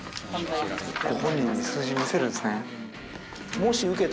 ご本人に数字を見せるんですね。